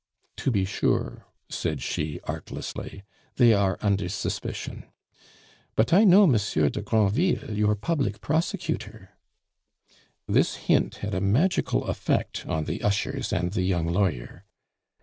"To be sure," said she artlessly, "they are under suspicion. But I know Monsieur de Granville, your public prosecutor " This hint had a magical effect on the ushers and the young lawyer.